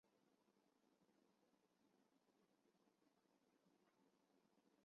别名是菊子姬。